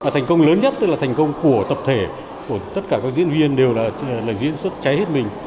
thành công lớn nhất tức là thành công của tập thể của tất cả các diễn viên đều là diễn xuất cháy hết mình